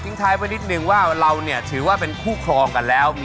ก็คำให้เบากับทิ